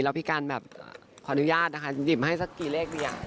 แล้วพี่การแบบขออนุญาตนะคะหยิบมาให้สักกี่เลขดีอ่ะ